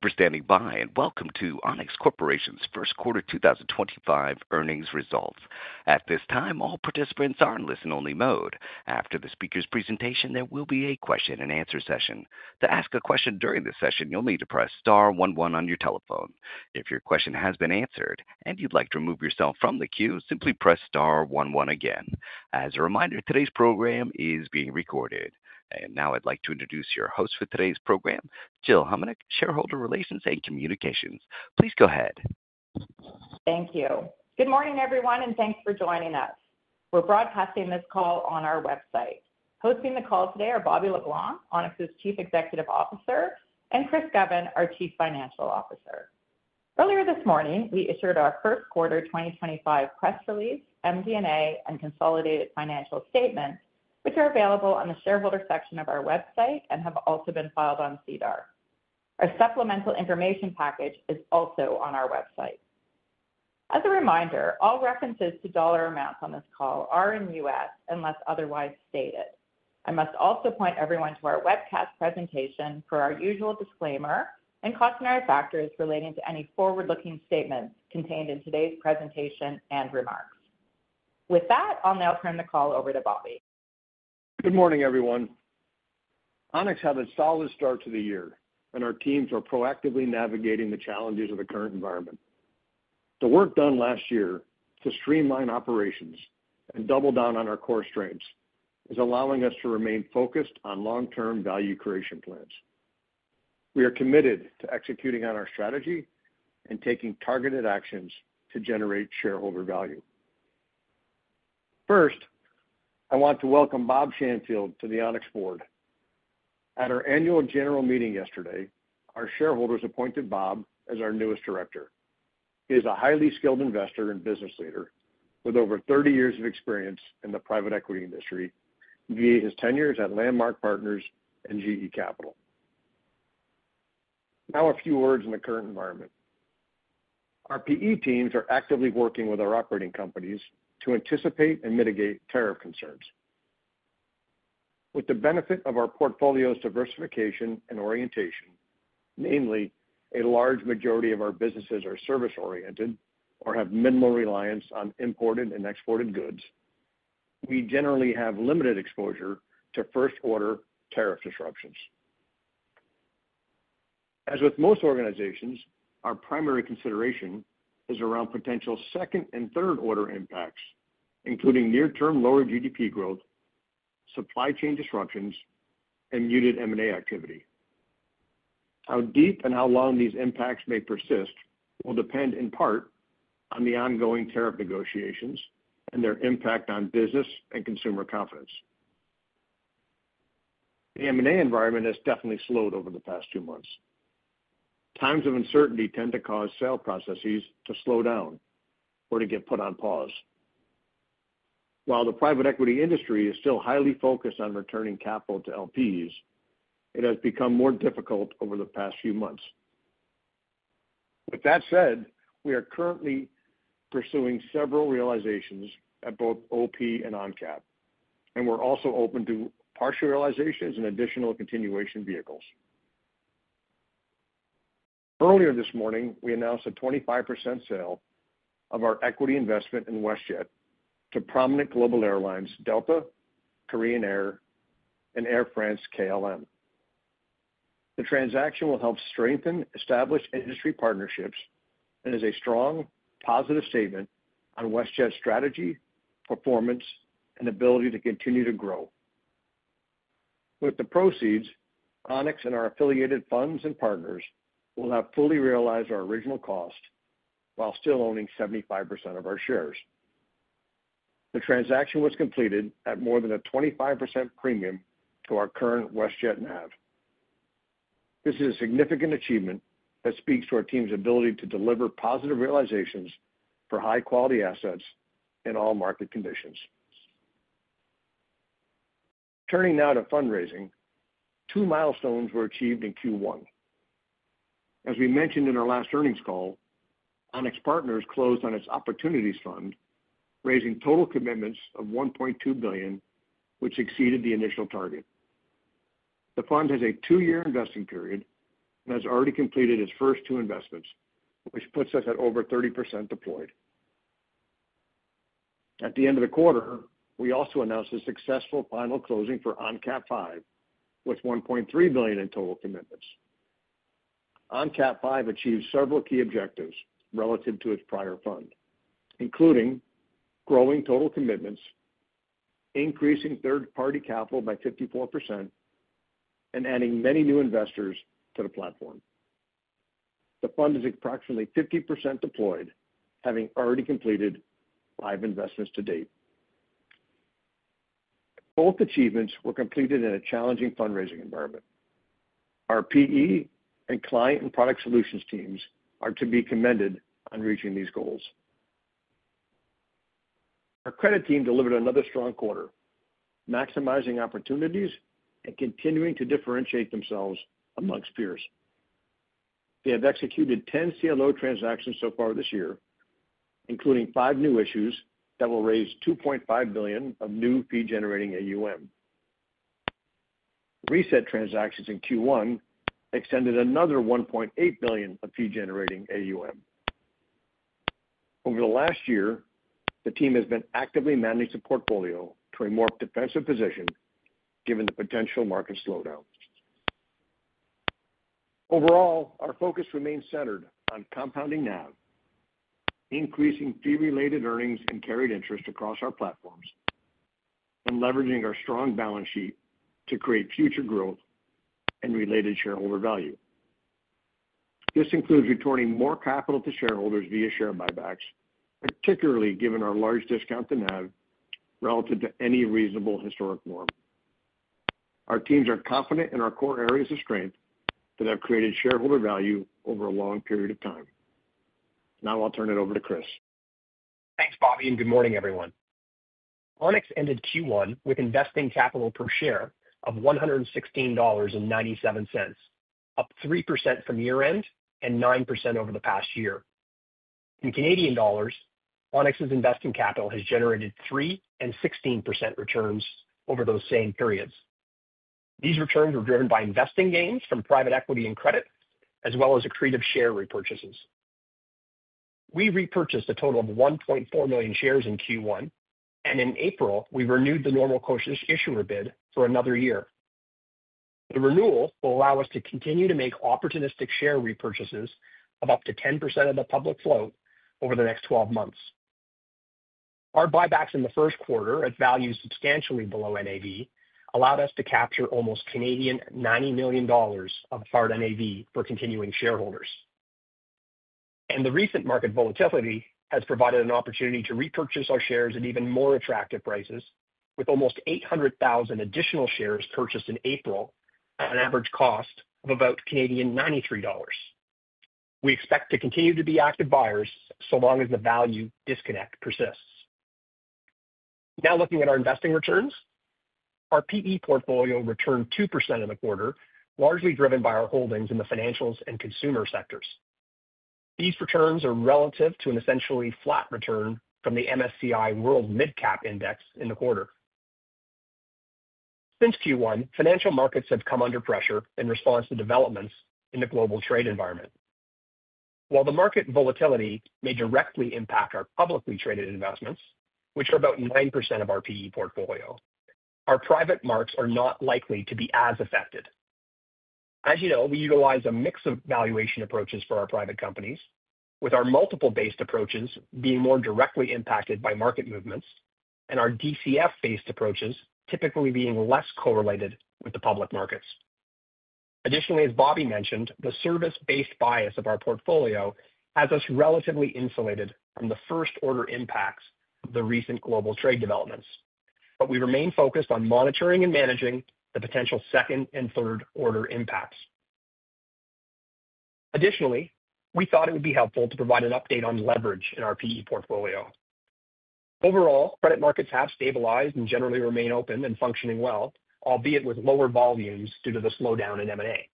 Thank you for standing by, and welcome to Onex Corporation's First Quarter 2025 Earnings Results. At this time, all participants are in listen-only mode. After the speaker's presentation, there will be a question-and-answer session. To ask a question during this session, you'll need to press star 1 1 on your telephone. If your question has been answered and you'd like to remove yourself from the queue, simply press star 1 1 again. As a reminder, today's program is being recorded. Now I'd like to introduce your host for today's program, Jill Homenuk, Shareholder Relations and Communications. Please go ahead. Thank you. Good morning, everyone, and thanks for joining us. We are broadcasting this call on our website. Hosting the call today are Bobby Le Blanc, Onex's Chief Executive Officer, and Chris Govan, our Chief Financial Officer. Earlier this morning, we issued our first quarter 2025 press release, MD&A, and consolidated financial statements, which are available on the shareholder section of our website and have also been filed on CDAR. Our supplemental information package is also on our website. As a reminder, all references to dollar amounts on this call are in U.S. unless otherwise stated. I must also point everyone to our webcast presentation for our usual disclaimer and cautionary factors relating to any forward-looking statements contained in today's presentation and remarks. With that, I will now turn the call over to Bobby. Good morning, everyone. Onex had a solid start to the year, and our teams are proactively navigating the challenges of the current environment. The work done last year to streamline operations and double down on our core strengths is allowing us to remain focused on long-term value creation plans. We are committed to executing on our strategy and taking targeted actions to generate shareholder value. First, I want to welcome Bob Shanfield to the Onex board. At our annual general meeting yesterday, our shareholders appointed Bob as our newest director. He is a highly skilled investor and business leader with over 30 years of experience in the private equity industry via his tenures at Landmark Partners and GE Capital. Now, a few words on the current environment. Our PE teams are actively working with our operating companies to anticipate and mitigate tariff concerns. With the benefit of our portfolio's diversification and orientation, namely, a large majority of our businesses are service-oriented or have minimal reliance on imported and exported goods, we generally have limited exposure to first-order tariff disruptions. As with most organizations, our primary consideration is around potential second and third-order impacts, including near-term lower GDP growth, supply chain disruptions, and muted M&A activity. How deep and how long these impacts may persist will depend in part on the ongoing tariff negotiations and their impact on business and consumer confidence. The M&A environment has definitely slowed over the past two months. Times of uncertainty tend to cause sale processes to slow down or to get put on pause. While the private equity industry is still highly focused on returning capital to LPs, it has become more difficult over the past few months. With that said, we are currently pursuing several realizations at both OP and ONCAP, and we're also open to partial realizations and additional continuation vehicles. Earlier this morning, we announced a 25% sale of our equity investment in WestJet to prominent global airlines Delta, Korean Air, and Air France-KLM. The transaction will help strengthen established industry partnerships and is a strong, positive statement on WestJet's strategy, performance, and ability to continue to grow. With the proceeds, Onex and our affiliated funds and partners will have fully realized our original cost while still owning 75% of our shares. The transaction was completed at more than a 25% premium to our current WestJet NAV. This is a significant achievement that speaks to our team's ability to deliver positive realizations for high-quality assets in all market conditions. Turning now to fundraising, two milestones were achieved in Q1. As we mentioned in our last earnings call, Onex Partners closed on its Opportunities Fund, raising total commitments of $1.2 billion, which exceeded the initial target. The fund has a two-year investing period and has already completed its first two investments, which puts us at over 30% deployed. At the end of the quarter, we also announced a successful final closing for ONCAP V with $1.3 billion in total commitments. ONCAP V achieved several key objectives relative to its prior fund, including growing total commitments, increasing third-party capital by 54%, and adding many new investors to the platform. The fund is approximately 50% deployed, having already completed five investments to date. Both achievements were completed in a challenging fundraising environment. Our PE and client and product solutions teams are to be commended on reaching these goals. Our credit team delivered another strong quarter, maximizing opportunities and continuing to differentiate themselves amongst peers. They have executed 10 CLO transactions so far this year, including five new issues that will raise $2.5 billion of new fee-generating AUM. Reset transactions in Q1 extended another $1.8 billion of fee-generating AUM. Over the last year, the team has been actively managing the portfolio to a more defensive position given the potential market slowdown. Overall, our focus remains centered on compounding NAV, increasing fee-related earnings and carried interest across our platforms, and leveraging our strong balance sheet to create future growth and related shareholder value. This includes returning more capital to shareholders via share buybacks, particularly given our large discount to NAV relative to any reasonable historic norm. Our teams are confident in our core areas of strength that have created shareholder value over a long period of time. Now I'll turn it over to Chris. Thanks, Bobby, and good morning, everyone. Onex ended Q1 with investing capital per share of $116.97, up 3% from year-end and 9% over the past year. In CAD, Onex's investing capital has generated 3% and 16% returns over those same periods. These returns were driven by investing gains from private equity and credit, as well as accretive share repurchases. We repurchased a total of 1.4 million shares in Q1, and in April, we renewed the normal course issuer bid for another year. The renewal will allow us to continue to make opportunistic share repurchases of up to 10% of the public float over the next 12 months. Our buybacks in the first quarter at values substantially below NAV allowed us to capture almost 90 million Canadian dollars of hard NAV for continuing shareholders. The recent market volatility has provided an opportunity to repurchase our shares at even more attractive prices, with almost 800,000 additional shares purchased in April at an average cost of about 93 Canadian dollars. We expect to continue to be active buyers so long as the value disconnect persists. Now looking at our investing returns, our PE portfolio returned 2% in the quarter, largely driven by our holdings in the financials and consumer sectors. These returns are relative to an essentially flat return from the MSCI World Midcap Index in the quarter. Since Q1, financial markets have come under pressure in response to developments in the global trade environment. While the market volatility may directly impact our publicly traded investments, which are about 9% of our PE portfolio, our private marks are not likely to be as affected. As you know, we utilize a mix of valuation approaches for our private companies, with our multiple-based approaches being more directly impacted by market movements and our DCF-based approaches typically being less correlated with the public markets. Additionally, as Bobby mentioned, the service-based bias of our portfolio has us relatively insulated from the first-order impacts of the recent global trade developments, but we remain focused on monitoring and managing the potential second and third-order impacts. Additionally, we thought it would be helpful to provide an update on leverage in our PE portfolio. Overall, credit markets have stabilized and generally remain open and functioning well, albeit with lower volumes due to the slowdown in M&A.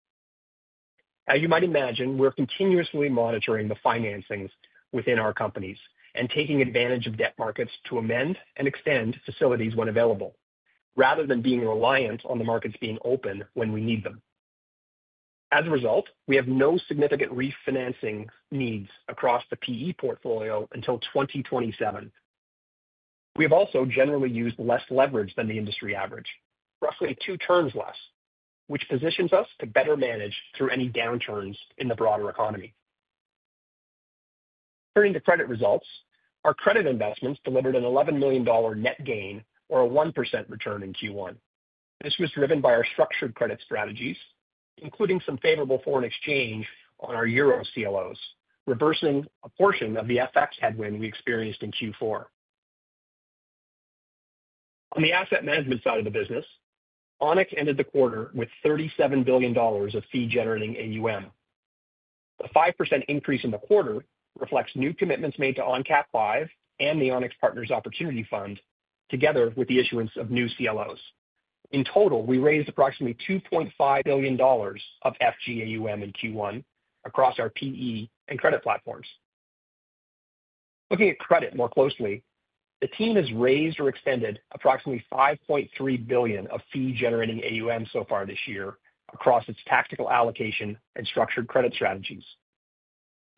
As you might imagine, we're continuously monitoring the financings within our companies and taking advantage of debt markets to amend and extend facilities when available, rather than being reliant on the markets being open when we need them. As a result, we have no significant refinancing needs across the PE portfolio until 2027. We have also generally used less leverage than the industry average, roughly two turns less, which positions us to better manage through any downturns in the broader economy. Turning to credit results, our credit investments delivered an $11 million net gain or a 1% return in Q1. This was driven by our structured credit strategies, including some favorable foreign exchange on our Euro CLOs, reversing a portion of the FX headwind we experienced in Q4. On the asset management side of the business, Onex ended the quarter with $37 billion of fee-generating AUM. The 5% increase in the quarter reflects new commitments made to ONCAP V and the Onex Partners Opportunity Fund, together with the issuance of new CLOs. In total, we raised approximately $2.5 billion of fee-generating AUM in Q1 across our PE and credit platforms. Looking at credit more closely, the team has raised or extended approximately $5.3 billion of fee-generating AUM so far this year across its tactical allocation and structured credit strategies.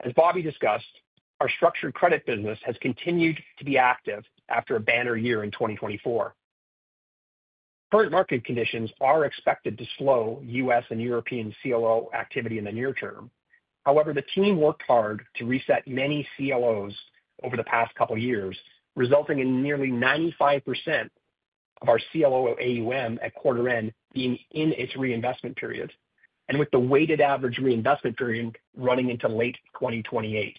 As Bobby discussed, our structured credit business has continued to be active after a banner year in 2024. Current market conditions are expected to slow U.S. and European CLO activity in the near term. However, the team worked hard to reset many CLOs over the past couple of years, resulting in nearly 95% of our CLO AUM at quarter-end being in its reinvestment period and with the weighted average reinvestment period running into late 2028.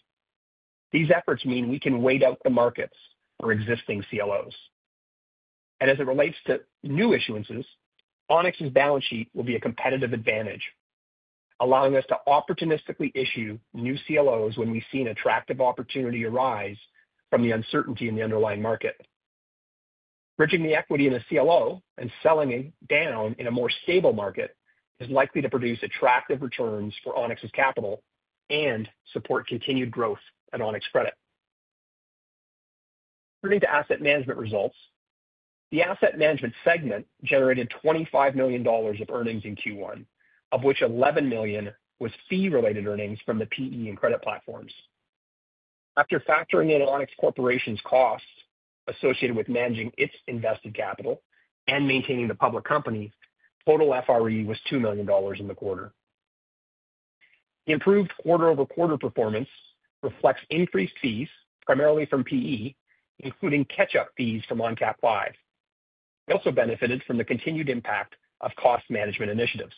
These efforts mean we can wait out the markets for existing CLOs. As it relates to new issuances, Onex's balance sheet will be a competitive advantage, allowing us to opportunistically issue new CLOs when we see an attractive opportunity arise from the uncertainty in the underlying market. Bridging the equity in a CLO and selling it down in a more stable market is likely to produce attractive returns for Onex's capital and support continued growth at Onex Credit. Turning to asset management results, the asset management segment generated $25 million of earnings in Q1, of which $11 million was fee-related earnings from the PE and credit platforms. After factoring in Onex Corporation's costs associated with managing its invested capital and maintaining the public companies, total FRE was $2 million in the quarter. The improved quarter-over-quarter performance reflects increased fees, primarily from PE, including catch-up fees from ONCAP V. We also benefited from the continued impact of cost management initiatives.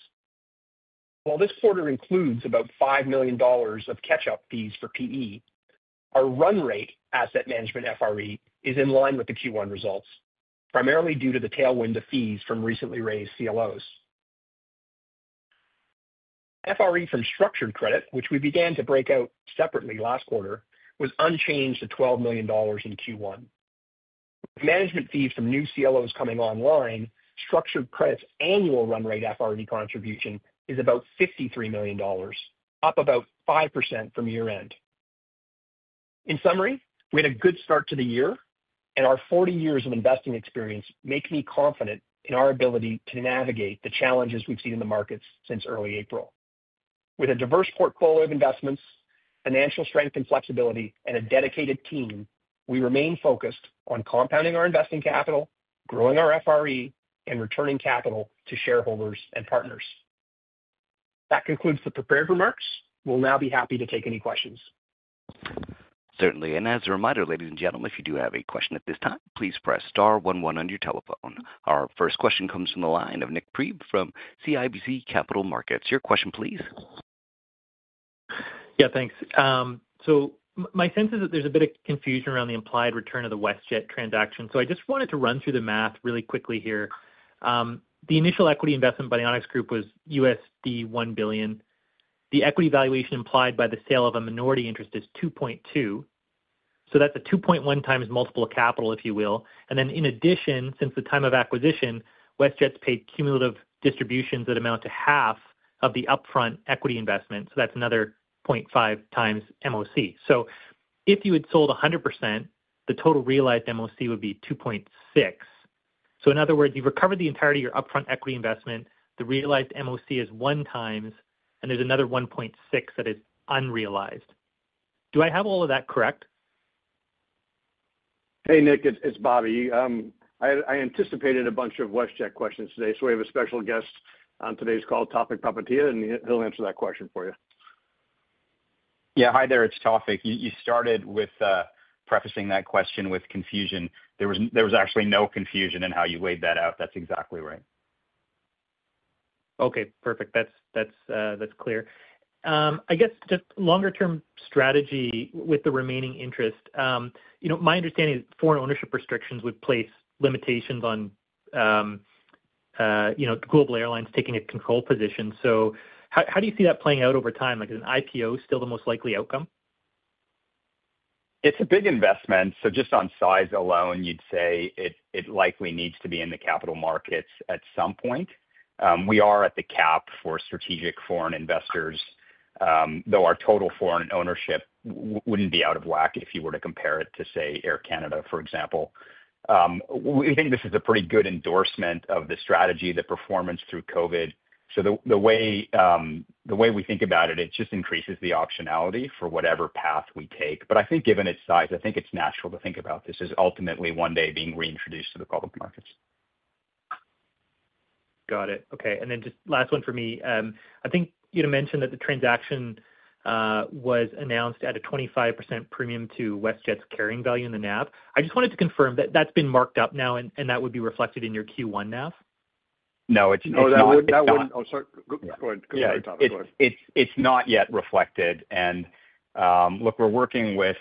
While this quarter includes about $5 million of catch-up fees for PE, our run rate asset management FRE is in line with the Q1 results, primarily due to the tailwind of fees from recently raised CLOs. FRE from structured credit, which we began to break out separately last quarter, was unchanged to $12 million in Q1. With management fees from new CLOs coming online, structured credit's annual run rate FRE contribution is about $53 million, up about 5% from year-end. In summary, we had a good start to the year, and our 40 years of investing experience makes me confident in our ability to navigate the challenges we've seen in the markets since early April. With a diverse portfolio of investments, financial strength and flexibility, and a dedicated team, we remain focused on compounding our investing capital, growing our FRE, and returning capital to shareholders and partners. That concludes the prepared remarks. We will now be happy to take any questions. Certainly. As a reminder, ladies and gentlemen, if you do have a question at this time, please press star 11 on your telephone. Our first question comes from the line of Nik Priebe from CIBC Capital Markets. Your question, please. Yeah, thanks. My sense is that there's a bit of confusion around the implied return of the WestJet transaction. I just wanted to run through the math really quickly here. The initial equity investment by the Onex Group was $1 billion. The equity valuation implied by the sale of a minority interest is $2.2 billion. That's a 2.1 times multiple of capital, if you will. In addition, since the time of acquisition, WestJet's paid cumulative distributions that amount to half of the upfront equity investment. That's another 0.5 times MOC. If you had sold 100%, the total realized MOC would be 2.6. In other words, you've recovered the entirety of your upfront equity investment. The realized MOC is one times, and there's another 1.6 that is unrealized. Do I have all of that correct? Hey, Nick, it's Bobby. I anticipated a bunch of WestJet questions today, so we have a special guest on today's call, Tawfiq Popatia, and he'll answer that question for you. Yeah, hi there. It's Tawfiq. You started with prefacing that question with confusion. There was actually no confusion in how you laid that out. That's exactly right. Okay, perfect. That's clear. I guess just longer-term strategy with the remaining interest. My understanding is foreign ownership restrictions would place limitations on global airlines taking a control position. How do you see that playing out over time? Is an IPO still the most likely outcome? It's a big investment. Just on size alone, you'd say it likely needs to be in the capital markets at some point. We are at the cap for strategic foreign investors, though our total foreign ownership wouldn't be out of whack if you were to compare it to, say, Air Canada, for example. We think this is a pretty good endorsement of the strategy, the performance through COVID. The way we think about it, it just increases the optionality for whatever path we take. I think given its size, I think it's natural to think about this as ultimately one day being reintroduced to the public markets. Got it. Okay. And then just last one for me. I think you mentioned that the transaction was announced at a 25% premium to WestJet's carrying value in the NAV. I just wanted to confirm that that's been marked up now, and that would be reflected in your Q1 NAV? No, it's not. Oh, that would not. Oh, sorry. Go ahead, Tawfiq. Go ahead. It's not yet reflected. Look, we're working with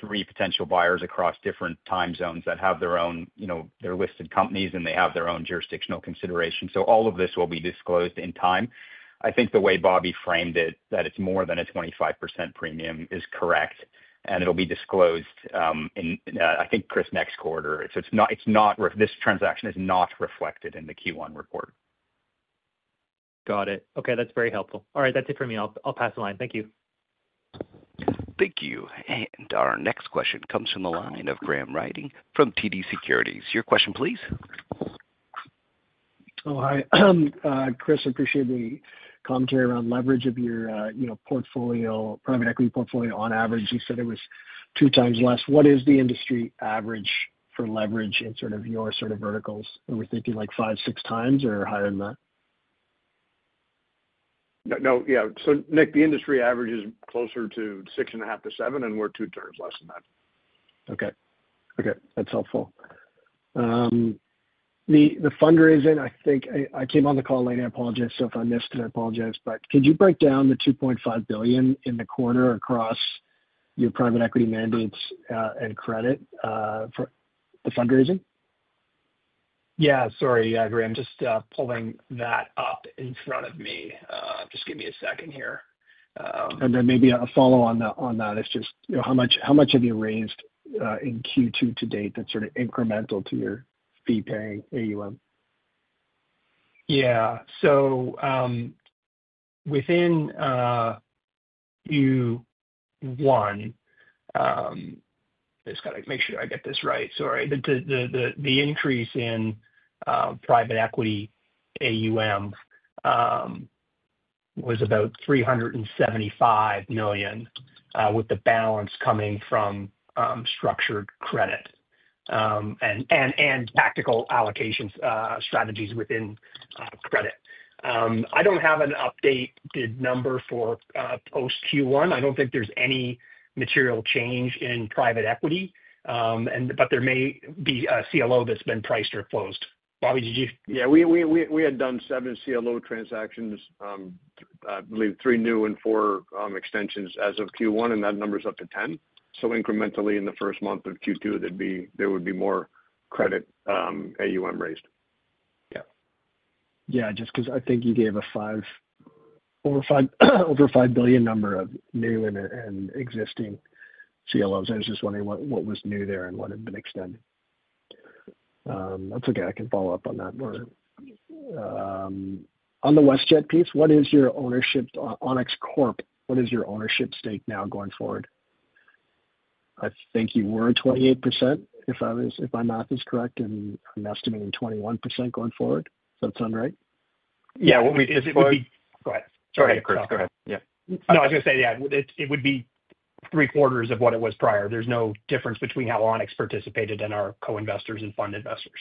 three potential buyers across different time zones that have their own listed companies, and they have their own jurisdictional considerations. All of this will be disclosed in time. I think the way Bobby framed it, that it's more than a 25% premium, is correct. It'll be disclosed, I think, Chris, next quarter. This transaction is not reflected in the Q1 report. Got it. Okay, that's very helpful. All right, that's it for me. I'll pass the line. Thank you. Thank you. Our next question comes from the line of Graham Ryding from TD Securities. Your question, please. Oh, hi. Chris, I appreciate the commentary around leverage of your portfolio, private equity portfolio. On average, you said it was two times less. What is the industry average for leverage in sort of your sort of verticals? Are we thinking like five, six times or higher than that? No, yeah. So Nick, the industry average is closer to six and a half to seven, and we're two terms less than that. Okay. Okay, that's helpful. The fundraising, I think I came on the call late. I apologize. If I missed it, I apologize. Could you break down the $2.5 billion in the quarter across your private equity mandates and credit for the fundraising? Yeah, sorry. Yeah, Graham, just pulling that up in front of me. Just give me a second here. Maybe a follow-on on that is just how much have you raised in Q2 to date that's sort of incremental to your fee-paying AUM? Yeah. Within Q1, I just got to make sure I get this right. Sorry. The increase in private equity AUM was about $375 million, with the balance coming from structured credit and tactical allocation strategies within credit. I do not have an updated number for post-Q1. I do not think there is any material change in private equity, but there may be a CLO that has been priced or closed. Bobby, did you? Yeah, we had done seven CLO transactions, I believe three new and four extensions as of Q1, and that number's up to 10. So incrementally, in the first month of Q2, there would be more credit AUM raised. Yeah. Yeah, just because I think you gave a over $5 billion number of new and existing CLOs. I was just wondering what was new there and what had been extended. That's okay. I can follow up on that more. On the WestJet piece, what is your ownership? Onex, what is your ownership stake now going forward? I think you were 28%, if my math is correct, and I'm estimating 21% going forward. Does that sound right? Yeah. Is it? Go ahead. Sorry, Chris. Go ahead. Yeah. No, I was going to say, yeah, it would be three quarters of what it was prior. There's no difference between how Onex participated and our co-investors and fund investors.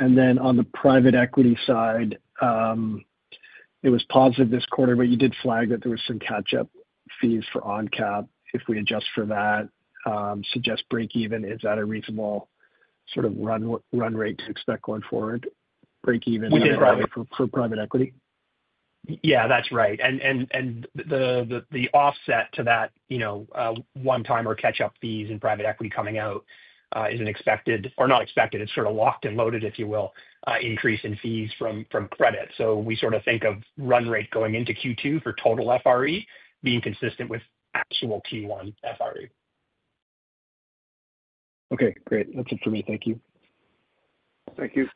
On the private equity side, it was positive this quarter, but you did flag that there were some catch-up fees for ONCAP. If we adjust for that, it suggests break-even. Is that a reasonable sort of run rate to expect going forward? Break-even for private equity? Yeah, that's right. The offset to that one-time or catch-up fees in private equity coming out is an expected, or not expected, it's sort of locked and loaded, if you will, increase in fees from credit. We sort of think of run rate going into Q2 for total FRE being consistent with actual Q1 FRE. Okay, great. That's it for me. Thank you. Thank you.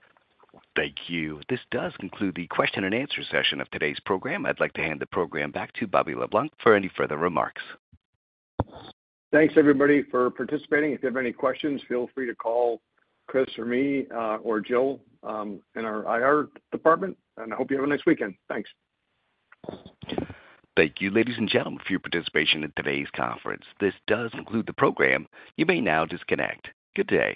Thank you. This does conclude the question and answer session of today's program. I'd like to hand the program back to Bobby Le Blanc for any further remarks. Thanks, everybody, for participating. If you have any questions, feel free to call Chris or me or Jill in our IR department. I hope you have a nice weekend. Thanks. Thank you, ladies and gentlemen, for your participation in today's conference. This does conclude the program. You may now disconnect. Good day.